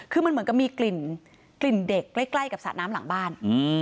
คือมันเหมือนกับมีกลิ่นเด็กใกล้กับสระน้ำหลังบ้าน